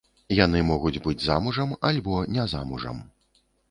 Яны могуць быць замужам альбо не замужам.